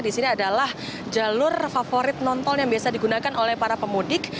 di sini adalah jalur favorit non tol yang biasa digunakan oleh para pemudik